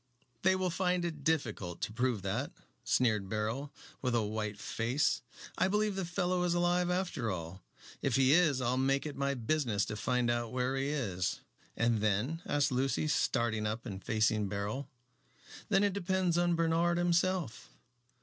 "They will find it difficult to prove that," sneered Beryl, with a white face. "I believe the fellow is alive after all. If he is I'll make it my business to find out where he is." "And then?" asked Lucy, starting up and facing Beryl. "Then it depends upon Bernard himself."